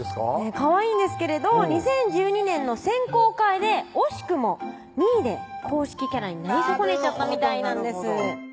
かわいいんですけれど２０１２年の選考会で惜しくも２位で公認キャラになりそこねちゃったみたいなんです